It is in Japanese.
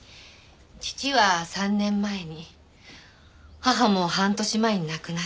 義父は３年前に義母も半年前に亡くなって。